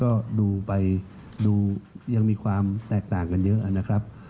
ก็ดูไปดูยังมีความแตกต่างกันเยอะนะครับ